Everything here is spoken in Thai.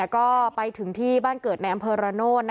ก็ไปถึงที่บ้านเกิดในอำเภอระโนธ